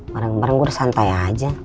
barang barang gue udah santai aja